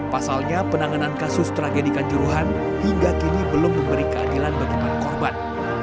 pasalnya penanganan kasus tragedi kanjuruhan hingga kini belum memberi keadilan bagi para korban